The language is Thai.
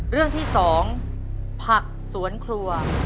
เรื่องที่๒ผักสวนครัว